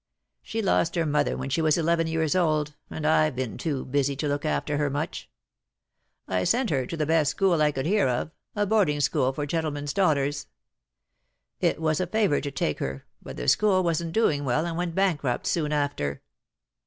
She lost her mother when she was eleven years old, and I've been too busy to look after her much. I sent her to the best school I could hear of — a boarding school for gentlemen's daughters. It was a favour to take her, but the school wasn't doing well, and went bankrupt soon after.